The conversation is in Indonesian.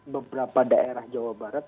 beberapa daerah jawa barat